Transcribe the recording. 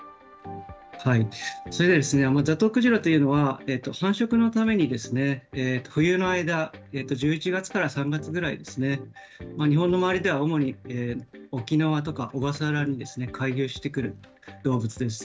それで、ザトウクジラというのは、繁殖のために、冬の間、１１月から３月ぐらいですね、日本の周りでは主に沖縄とか小笠原に回遊してくる動物です。